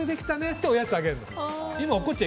っておやつあげるの。